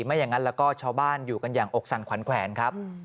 ไม่อย่างนั้นแล้วก็ชาวบ้านอยู่กันอย่างอกสั่นขวัญแขวนครับ